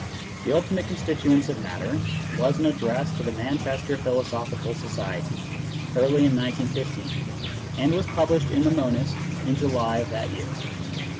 " The Ultimate Constituents of Matter " was an address to the Manchester Philosophical Society, early in 1915, and was published in the Monist in July of that year.